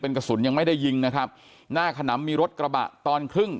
กระสุนยังไม่ได้ยิงนะครับหน้าขนำมีรถกระบะตอนครึ่ง